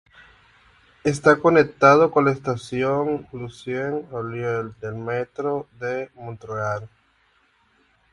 Está conectado con la estación Lucien-L'Allier del Metro de Montreal.